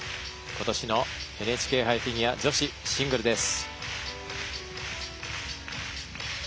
今年のＮＨＫ杯フィギュア女子シングルです。